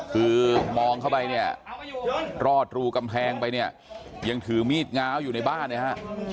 คือมองเข้าไปเนี่ยรอดรูกำแพงไปเนี่ยยังถือมีดง้าวอยู่ในบ้านนะฮะ